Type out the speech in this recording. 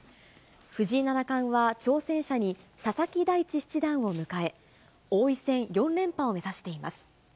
藤井七冠は挑戦者に佐々木大地七段を迎え、王位戦４連覇を目指しています。